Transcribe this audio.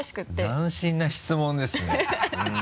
斬新な質問ですね。